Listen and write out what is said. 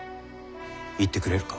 行ってくれるか？